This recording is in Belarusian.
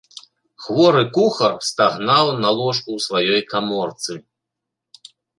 Хворы кухар стагнаў на ложку ў сваёй каморцы.